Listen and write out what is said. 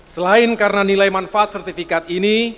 selain karena nilai manfaat sertifikat ini